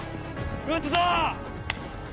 撃つぞ！